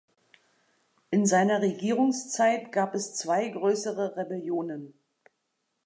In seiner Regierungszeit gab es zwei größere Rebellionen.